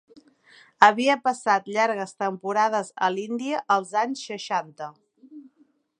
Havia passat llargues temporades a l'Índia als anys seixanta.